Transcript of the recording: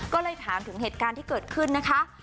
ก็เลยถามถึงเหตุการณ์ที่เกิดขึ้นนะคะ